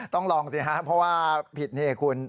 ต้องลองสิครับเพราะว่าผิดนี่คุณ